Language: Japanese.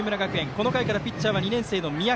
この回からピッチャーは２年生、三宅。